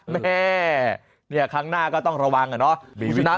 แม่เนี่ยครั้งหน้าก็ต้องระวังอะเนาะ